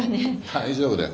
大丈夫だよ。